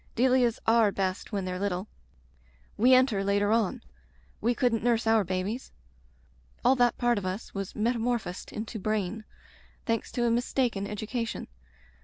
Delias are best when they're little. We enter later on. We couldn't nurse our babies. All that part of us was metamorphosed into brain — thanks to a mistaken education.